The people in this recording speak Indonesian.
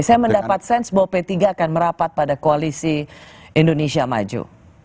saya mendapat sense bahwa p tiga akan merapat pada koalisi indonesia maju